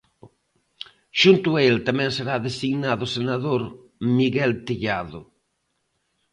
Xunto a el tamén será designado senador Miguel Tellado.